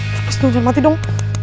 lepas dong jangan mati dong